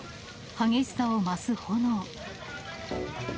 激しさを増す炎。